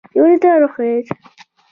دی ونې ته ور وښوېد.